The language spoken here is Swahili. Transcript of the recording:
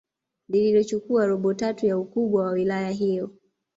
lililochukua robo tatu ya ukubwa wa wilaya hiyo